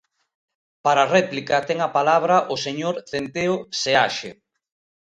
Para réplica, ten a palabra o señor Centeo Seaxe.